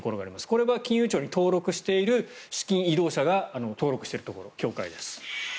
これは金融庁に登録している資金移動者が登録している協会です。